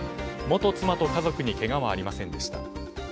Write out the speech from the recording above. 元妻と家族にけがはありませんでした。